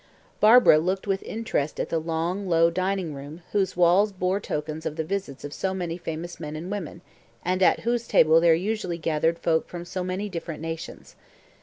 Barbara looked with interest at the long, low dining room, whose walls bore tokens of the visits of so many famous men and women, and at whose table there usually gathered folk from so many different nations.